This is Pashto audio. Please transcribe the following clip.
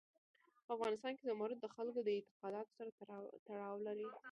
په افغانستان کې زمرد د خلکو د اعتقاداتو سره تړاو لري.